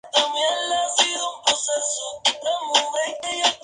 Juega de defensa y su equipo actual es el Dinamo de Kiev.